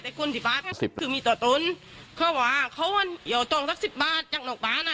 แต่คนที่ป่าก็คือมีตัวตนเขาว่าเขาอันอย่าต้องสักสิบบาทจากน้องป่าน่ะ